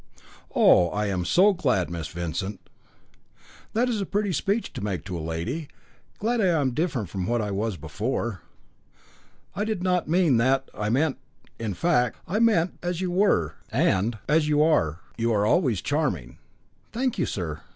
"Oh! I am so glad, Miss Vincent." "That is a pretty speech to make to a lady! Glad I am different from what I was before." "I did not mean that I meant in fact, I meant that as you were and as you are you are always charming." "Thank you, sir!"